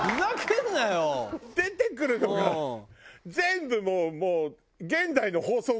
出てくるのが全部もう。